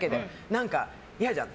何か嫌じゃん。